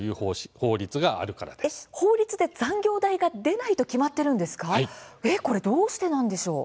法律で残業代が出ないと決まっているんですか。